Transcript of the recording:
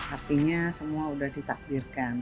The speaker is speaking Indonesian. artinya semua sudah ditakdirkan